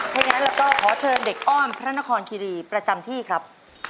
ถ้าอย่างนั้นเราก็ขอเชิญเด็กอ้อนพระนครคิรีประจำที่ครับ